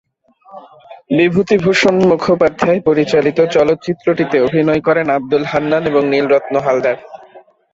বিভূতিভূষণ মুখোপাধ্যায় পরিচালিত চলচ্চিত্রটিতে অভিনয় করেন আব্দুল হান্নান এবং নীলরত্ন হালদার।